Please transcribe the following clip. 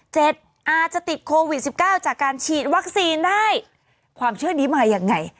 อาจจะติดโควิดสิบเก้าจากการฉีดวัคซีนได้ความเชื่อนี้มายังไง